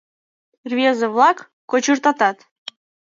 РВЕЗЕ-ВЛАК КОЧЫРТАТАТ